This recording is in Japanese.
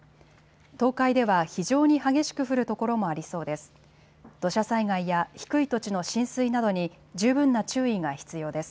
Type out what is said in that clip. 東海では非常に激しく降る所もありそうです。